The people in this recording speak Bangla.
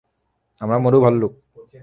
আমরা মরু ভল্লুক।